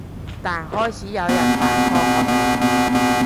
但開始有人反抗我哋